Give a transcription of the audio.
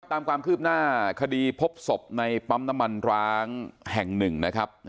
ตามความคืบหน้าคดีพบศพในปั๊มน้ำมันร้างแห่งหนึ่งนะครับ